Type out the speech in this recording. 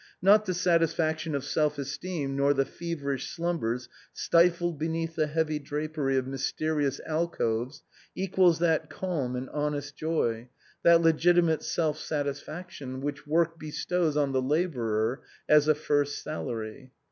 Not the satisfaction of self esteem nor the feverish slumbers stifled beneath the heavy drapery of mysterious alcoves equals that calm and honest joy, that legitimate self satisfaction which work bestows on the laborer as a first salary."